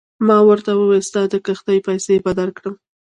ما ورته وویل ستا د کښتۍ پیسې به درکړم.